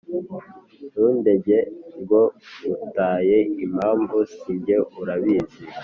ntundege ko ngutaye impamvu si jye urabizi